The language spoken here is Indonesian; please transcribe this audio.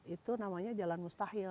itu namanya jalan mustahil